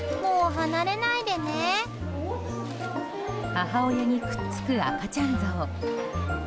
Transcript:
母親にくっつく赤ちゃんゾウ。